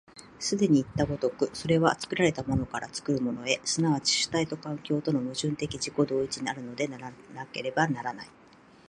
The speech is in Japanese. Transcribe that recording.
既にいった如く、それは作られたものから作るものへ、即ち主体と環境との矛盾的自己同一にあるのでなければならない。